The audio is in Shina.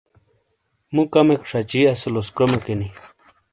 مُو کمیک شَچی اسیلوس کرومےکِینی۔